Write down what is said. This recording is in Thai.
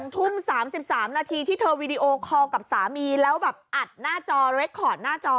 ทุ่ม๓๓นาทีที่เธอวีดีโอคอลกับสามีแล้วแบบอัดหน้าจอเรคคอร์ดหน้าจอ